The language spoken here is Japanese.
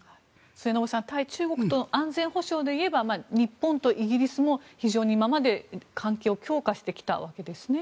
末延さん対中国との安全保障で言えば日本とイギリスも非常に今まで関係を強化してきたわけですね。